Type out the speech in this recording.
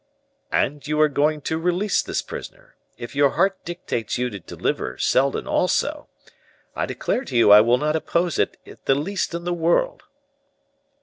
"And you are going to release this prisoner. If your heart dictates you to deliver Seldon also, I declare to you I will not oppose it the least in the world."